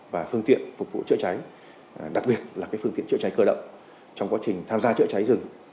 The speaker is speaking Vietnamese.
và phương tiện phục vụ chữa cháy đặc biệt là phương tiện chữa cháy cơ động trong quá trình tham gia chữa cháy rừng